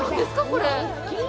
これ。